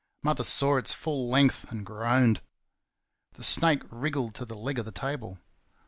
Mother saw its full length and groaned. The snake wriggled to the leg of the table.